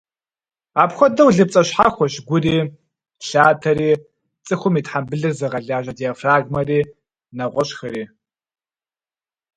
Апхуэдэу, лыпцӏэ щхьэхуэщ гури, лъатэри, цӏыхум и тхьэмбылыр зыгъэлажьэ диафрагмэри, нэгъуэщӏхэри.